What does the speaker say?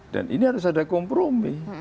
dan ini harus ada kompromi